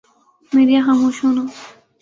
media خاموش ہونا